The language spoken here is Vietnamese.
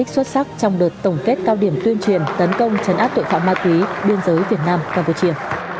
xuất sắc trong đợt tổng kết cao điểm tuyên truyền tấn công chấn áp tội phạm ma túy biên giới việt nam campuchia